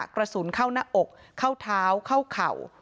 กระสุนเข้าหน้าอกเข้าเท้าเข้าเข่า